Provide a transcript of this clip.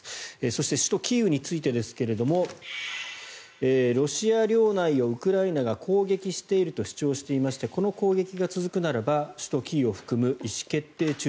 そして首都キーウについてですがロシア領内をウクライナが攻撃していると主張していましてこの攻撃が続くならば首都キーウを含む意思決定中枢